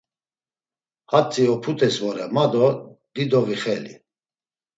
Hatzi oput̆es vore ma do dido vixeli.